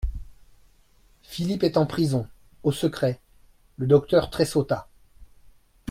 Philippe est en prison, au secret … Le docteur tressauta.